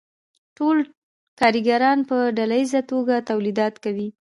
ټول کارګران په ډله ییزه توګه تولیدات کوي